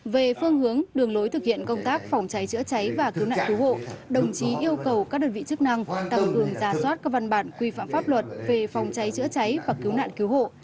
về phương hướng đường lối thực hiện công tác phòng cháy chữa cháy và cứu nạn cứu hộ đồng chí yêu cầu các đơn vị chức năng tăng cường ra soát các văn bản quy phạm pháp luật về phòng cháy chữa cháy và cứu nạn cứu hộ